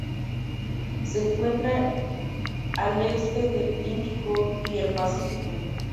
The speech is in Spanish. Se encuentran al este del Índico y el Pacífico.